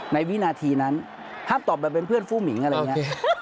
วินาทีนั้นห้ามตอบแบบเป็นเพื่อนฟุ่มหิงอะไรอย่างนี้